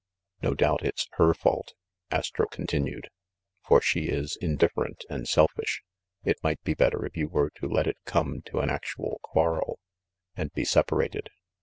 "No doubt it's her fault," Astro continued ; "for she is indifferent and selfish. It might be better if you were to let it come to an actual quarrel, and be sepa rated."